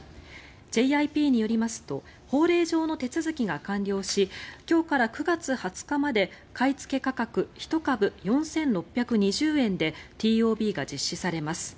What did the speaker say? ＪＩＰによりますと法令上の手続きが完了し今日から９月２０日まで買いつけ価格１株＝４６２０円でＴＯＢが実施されます。